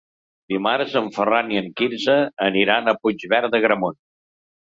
Dimarts en Ferran i en Quirze aniran a Puigverd d'Agramunt.